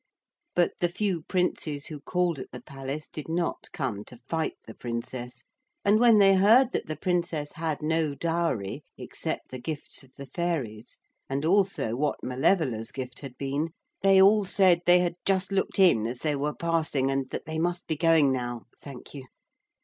But the few princes who called at the palace did not come to fight the Princess, and when they heard that the Princess had no dowry except the gifts of the fairies, and also what Malevola's gift had been, they all said they had just looked in as they were passing and that they must be going now, thank you.